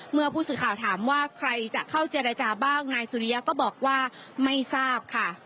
เมื่อผู้สื่อข่าวถามว่าใครจะเข้าเจรจาบ้างนายสุริยะก็บอกว่าไม่ทราบค่ะ